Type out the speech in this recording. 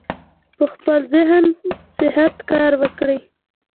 پۀ خپل ذهني صحت کار وکړي -